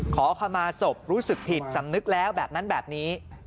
ขอขมาศพรู้สึกผิดสำนึกแล้วแบบนั้นแบบนี้